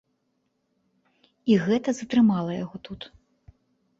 І гэта затрымала яго тут.